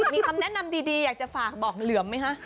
มีคำแนะนำดีอยากจะฝากบอกเหลือมไหมคะ